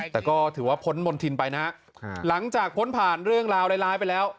แต่ก็ถือว่าพ้นมณฑินไปนะฮะหลังจากพ้นผ่านเรื่องราวร้ายไปแล้ว